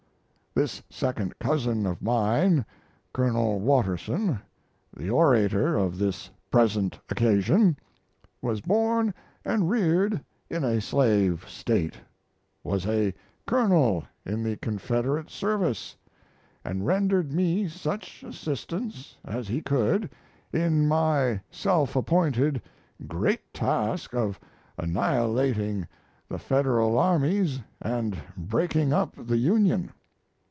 This second cousin of mine, Colonel Watterson, the orator of this present occasion, was born and reared in a slave State, was a colonel in the Confederate service, and rendered me such assistance as he could in my self appointed great task of annihilating the Federal armies and breaking up the Union.